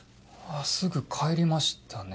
すぐ帰りましたね。